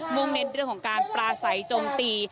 มุ่งในเรื่องของการปราศัยจมตี